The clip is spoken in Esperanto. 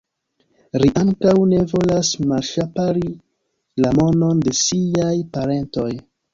Ri ankaŭ ne volas malŝpari la monon de siaj parentoj.